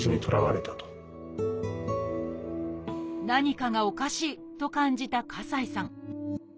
何かがおかしいと感じた西さん。